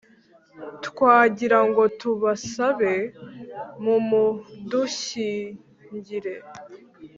twagirango tubasabe mumudushyingire